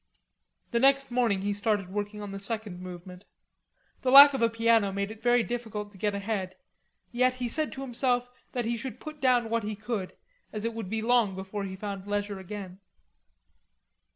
The next morning he started working on the second movement. The lack of a piano made it very difficult to get ahead, yet he said to himself that he should put down what he could, as it would be long before he found leisure again.